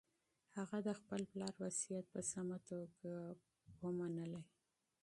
هغه د خپل پلار وصیت په سمه توګه پلي کړ.